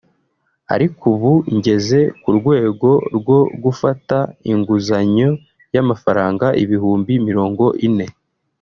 ariko ubu ngeze ku rwego rwo gufata inguzanyo y’amafaranga ibihumbi mirongo ine